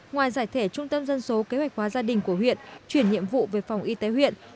ngoài giải thể trung tâm dân số kế hoạch hóa gia đình của huyện chuyển nhiệm vụ về phòng y tế huyện